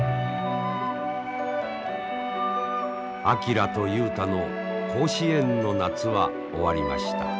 昭と雄太の甲子園の夏は終わりました。